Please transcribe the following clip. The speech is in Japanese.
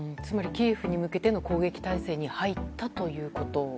つまりキエフに向けての攻撃態勢に入ったということ？